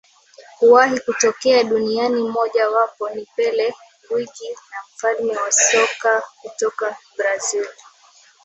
kuwahi kutokea duniani Moja wapo ni Pele Gwiji na mfalme wa soka kutoka Brazil